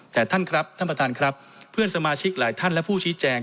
แต่ท่านครับท่านประธานครับเพื่อนสมาชิกหลายท่านและผู้ชี้แจง